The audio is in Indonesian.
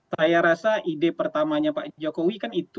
saya rasa ide pertamanya pak jokowi kan itu